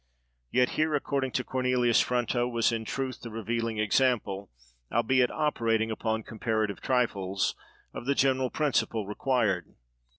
Yet here, according to Cornelius Fronto, was in truth the revealing example, albeit operating upon comparative trifles, of the general principle required.